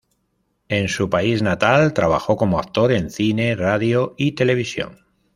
En su país natal trabajó como actor en Cine, Radio y Televisión.